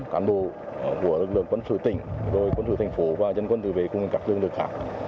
một trăm linh cán bộ của lực lượng quân sự tỉnh quân sự thành phố và dân quân tự vệ cùng với các lương lực khác